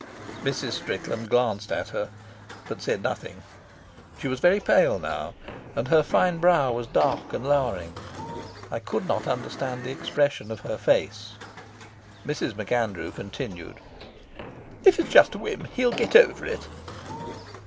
Mrs. Strickland glanced at her, but said nothing. She was very pale now, and her fine brow was dark and lowering. I could not understand the expression of her face. Mrs. MacAndrew continued: "If it's just a whim, he'll get over it."